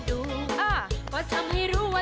เดี๋ยวยอมคับเป็นหญ้าแก่น้องค่ะ